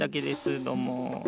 どうも。